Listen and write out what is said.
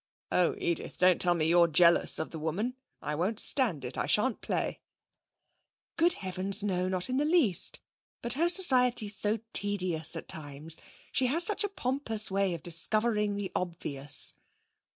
'Oh, Edith, don't tell me you're jealous of the woman! I won't stand it! I shan't play.' 'Good heavens, no! Not in the least. But her society's so tedious at times. She has such a pompous way of discovering the obvious.'